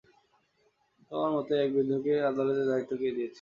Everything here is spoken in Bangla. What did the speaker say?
তোমার মতো এক বৃদ্ধকে আদালতের দায়িত্ব কে দিয়েছে?